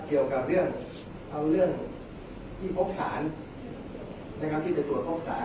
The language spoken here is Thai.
เกี่ยวกับเรื่องที่ปกสารที่จะตรวจปกสาร